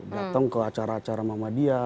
datang ke acara acara muhammadiyah